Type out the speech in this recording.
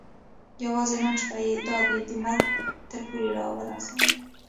یوازې نن شپه یې دا دی د مرګ تر پولې را ورسولو.